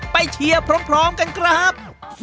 เชียร์พร้อมกันครับ